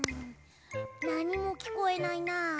なにもきこえないな。